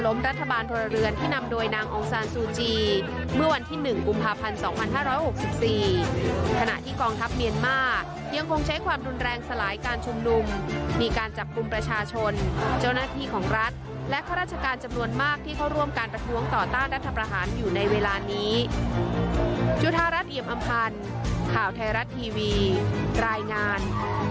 และประโยชน์ของไวรัสโควิด๑๙